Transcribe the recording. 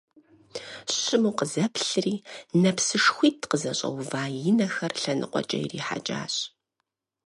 Щыму къызэплъри, нэпсышхуитӀ къызыщӀэува и нэхэр лъэныкъуэкӀэ ирихьэкӀащ.